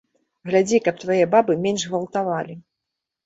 Глядзі, каб твае бабы менш гвалтавалі.